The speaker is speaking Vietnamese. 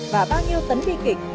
và bao nhiêu tấn bi kịch